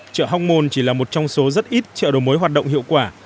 chợ hóc môn chỉ là một trong số rất ít chợ đầu mối hoạt động hiệu quả